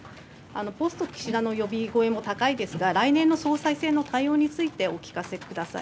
ポスト岸田の呼び声も高いですが、来年の総裁選の対応についてお聞かせください。